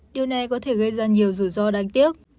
điều này có thể gây ra nhiều rủi ro đáng tiếc